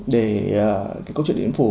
để cái câu chuyện điện biên phủ